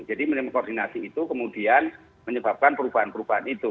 jadi minim koordinasi itu kemudian menyebabkan perubahan perubahan itu